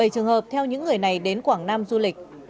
bảy trường hợp theo những người này đến quảng nam du lịch